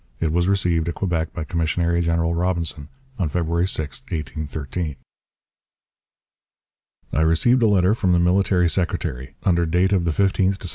It was received at Quebec by Commissary General Robinson on February 6, 1813: I received a letter from the Military Secretary, under date of the 15th Decr.